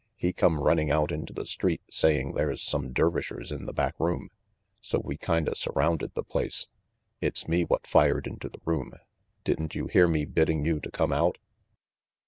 "He come running out into the street saying there's some Dervishers in the back room, so we kinda surrounded the place. It's me what fired into the room. Didn't you hear me bidding you to come out?"